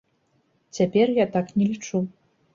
Цяпер я так не лічу.